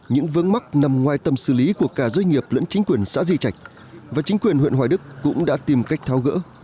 những vướng mắc nằm ngoài tầm xử lý của cả doanh nghiệp lẫn chính quyền xã di trạch và chính quyền huyện hoài đức cũng đã tìm cách tháo gỡ